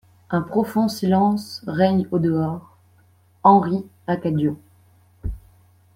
Un profond silence règne au dehors.) HENRI, à Cadio.